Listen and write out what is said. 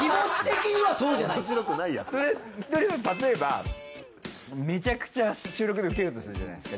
例えばめちゃくちゃ収録でウケるとするじゃないですか。